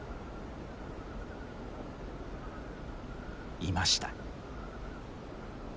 いました。